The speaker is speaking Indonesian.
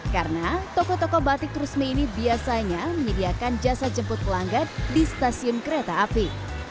karena toko toko batik trusmi ini biasanya menyediakan jasa jemput pelanggan di stasiun kereta api